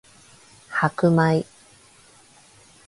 白米